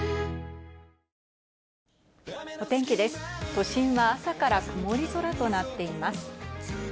都心は朝から曇り空となっています。